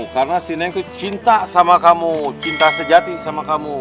karena si neng tuh cinta sama kamu cinta sejati sama kamu